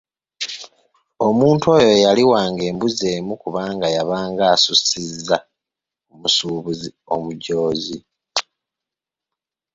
Omuntu oyo yaliwanga embuzi emu kubanga yabanga asuzizza omusuubuzi omujoozi.